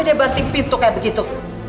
dia batik pintu kayak begitu